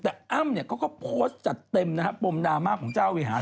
แต่อ้ำเขาก็โพสต์จัดเต็มบมดรามะของเจ้าวิหาร